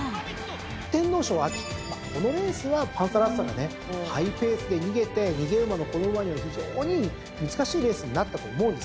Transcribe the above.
天皇賞このレースはパンサラッサがハイペースで逃げて逃げ馬のこの馬には非常に難しいレースになったと思うんです。